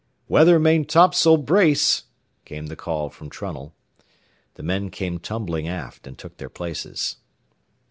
"Weather maintopsail brace!" came the call from Trunnell. The men came tumbling aft and took their places.